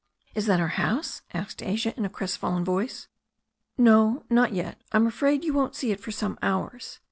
"Is that our house ?" asked Asia, in a crestfallen voice. "No, not yet. I'm afraid you won't see it for some hours.'